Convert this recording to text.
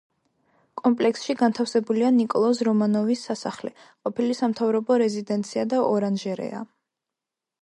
კომპლექსში განთავსებულია ნიკოლოზ რომანოვის სასახლე, ყოფილი სამთავრობო რეზიდენცია და ორანჟერეა.